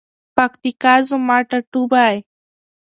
پکتیکا زما ټاټوبی.